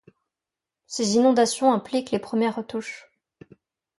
Ces inondations impliquent les premières retouches.